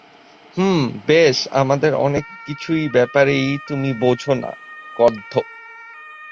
হুম, বেশ আমাদের অনেক কিছুর ব্যাপারেই তুমি বোঝো না, গর্দভ।